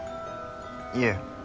いえ。